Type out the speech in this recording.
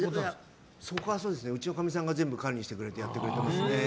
そこは、うちのかみさんが全部管理してやってくれてますね。